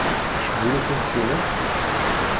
Tcewwel-iten tinna?